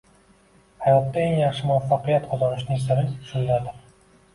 Hayotda eng yaxshi muvaffaqiyat qozonishning siri shundadir.